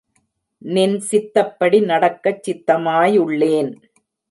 நின் சித்தப்படி நடக்கச் சித்தமாயுள்ளேன்!